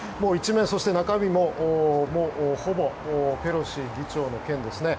１面、そして中身もほぼペロシ議長の件ですね。